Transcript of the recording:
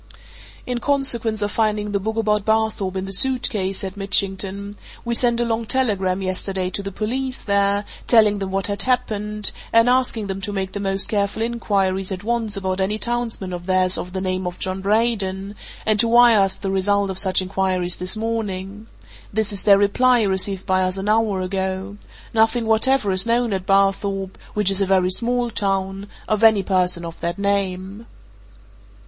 "In consequence of finding the book about Barthorpe in the suit case," said Mitchington, "we sent a long telegram yesterday to the police there, telling them what had happened, and asking them to make the most careful inquiries at once about any townsman of theirs of the name of John Braden, and to wire us the result of such inquiries this morning. This is their reply, received by us an hour ago. Nothing whatever is known at Barthorpe which is a very small town of any person of that name."